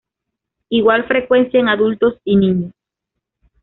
Igual frecuencia en adultos y niños.